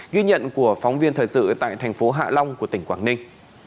ghi nhận của phóng viên thời sự tại thành phố hạ long của tỉnh quảng ninh